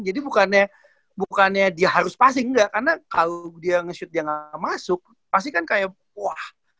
jadi bukannya dia harus passing enggak karena kalo dia nge shoot dia gak masuk pasti kan kayak wah